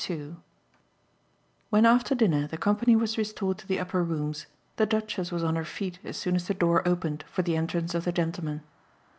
II When after dinner the company was restored to the upper rooms the Duchess was on her feet as soon as the door opened for the entrance of the gentlemen.